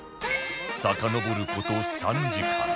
さかのぼる事３時間